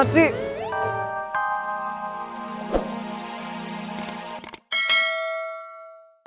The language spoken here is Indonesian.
baper amat sih